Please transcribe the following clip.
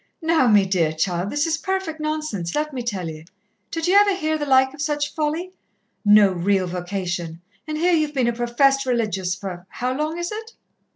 "Now, me dear child, this is perfect nonsense, let me tell ye. Did ye ever hear the like of such folly? No real vocation, and here ye've been a professed religious for how long is it?"